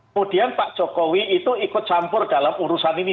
kemudian pak jokowi itu ikut campur dalam urusan ini